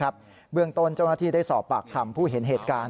เบื้องต้นเจ้าหน้าที่ได้สอบปากคำผู้เห็นเหตุการณ์